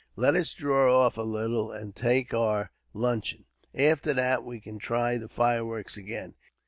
Let us draw off a little, and take our luncheon. After that, we can try the fireworks again.